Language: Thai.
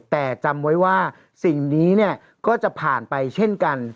แต่จำไว้ว่าสิ่งนี้เนี่ยก็จะผ่านไปเช่นกัน